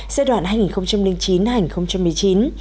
giai đoạn hai nghìn chín hai nghìn một mươi chín